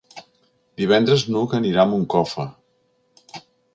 Divendres n'Hug anirà a Moncofa.